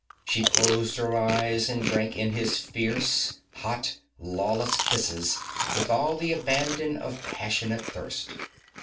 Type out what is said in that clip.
She closed her eyes and drank in his fierce, hot, lawless kisses with all the abandon of passionate thirst.